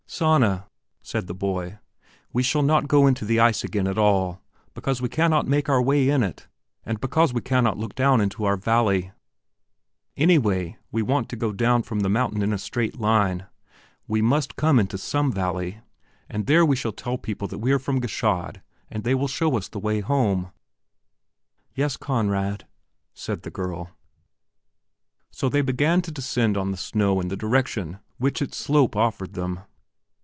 "Sanna," said the boy, "we shall not go into the ice again at all, because we cannot make our way in it. And because we cannot look down into our valley, anyway, we want to go down from the mountain in a straight line. We must come into some valley, and there we shall tell people that we are from Gschaid and they will show us the way home." "Yes, Conrad," said the girl. So they began to descend on the snow in the direction which its slope offered them.